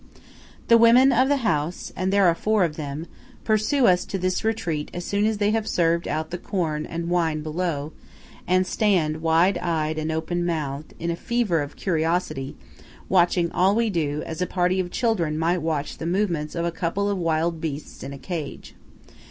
The women of the house–and there are four of them–pursue us to this retreat as soon as they have served out the corn and wine below, and stand, wide eyed and open mouthed, in a fever of curiosity, watching all we do, as a party of children might watch the movements of a couple of wild beasts in a cage.